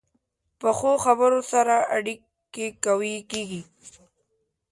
پخو خبرو سره اړیکې قوي کېږي